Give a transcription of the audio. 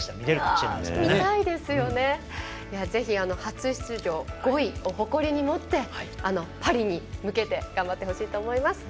ぜひ、初出場５位を誇りに持ってパリに向けて頑張ってほしいと思います。